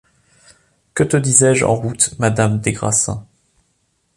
Que te disais-je en route, madame des Grassins ?